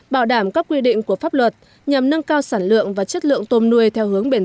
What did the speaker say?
bảo đảm các quy định của pháp luật nhằm nâng cao sản lượng và chất lượng tôm nuôi theo hướng bền